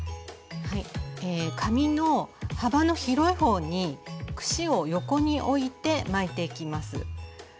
紙の幅の広い方に串を横に置いて巻いていきます。